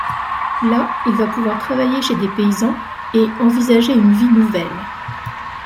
Là, il va pouvoir travailler chez des paysans et envisager une vie nouvelle.